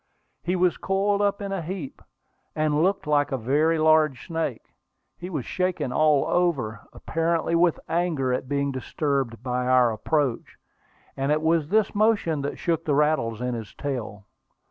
He was coiled up in a heap, and looked like a very large snake. He was shaking all over, apparently with anger at being disturbed by our approach; and it was this motion that shook the rattles in his tail.